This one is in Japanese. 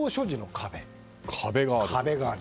壁がある。